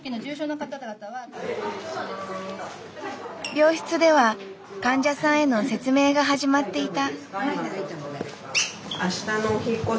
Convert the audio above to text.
病室では患者さんへの説明が始まっていた。